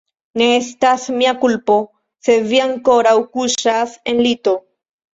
Ne estas mia kulpo, se vi ankoraŭ kuŝas en lito.